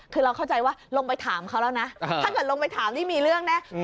คือเราเข้าใจว่าลงไปถามเขาแล้วนะถ้าเกิดลงไปถามที่มีเรื่องนะ